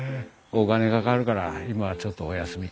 お金かかるから今はちょっとお休み。